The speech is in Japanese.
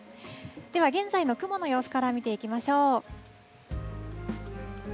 では、現在の雲の様子から見ていきましょう。